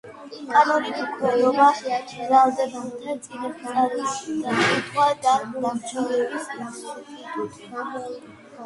კანონით უქმდებოდა ბრალდებულთა წინასწარი დაკითხვა და დამცველის ინსტიტუტი.